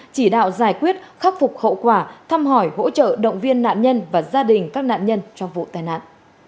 chỉ đạo giải quyết khắc phục hậu quả thăm hỏi hỗ trợ động viên nạn nhân và gia đình các nạn nhân trong vụ tai nạn